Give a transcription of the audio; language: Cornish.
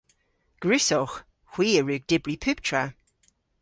Gwrussowgh. Hwi a wrug dybri pubtra.